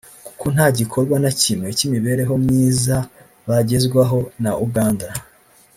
kuko nta gikorwa na kimwe cy’imibereho myiza bagezwaho na Uganda